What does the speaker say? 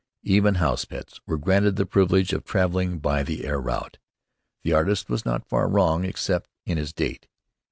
Even house pets were granted the privilege of traveling by the air route. The artist was not far wrong except in his date.